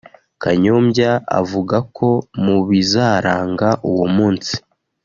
Kanyombya avuga ko mu bizaranga uwo munsi